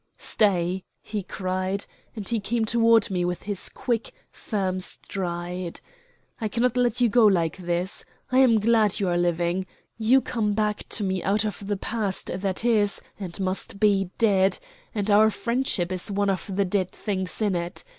"Stay," he cried, and he came toward me with his quick, firm stride. "I cannot let you go like this. I am glad you are living. You come back to me out of the past that is, and must be, dead; and our friendship is one of the dead things in it.